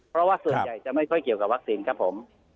เมื่อเปลี่ยนแล้วก็ไม่กลัวถึงบทธุ์